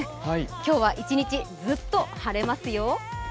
今日は一日、ずっと晴れますよ。